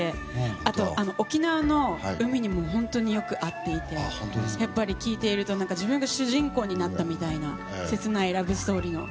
あと沖縄の海にも本当によく合っていてやっぱり聴いていると自分が主人公になったみたいな切ないラブストーリーの。